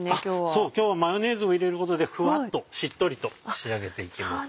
そう今日はマヨネーズを入れることでふわっとしっとりと仕上げていきます。